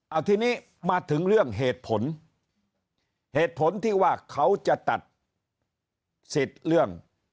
เอาทีนี้มาถึงเรื่องเหตุผลเหตุผลที่ว่าเขาจะตัดสิทธิ์เรื่อง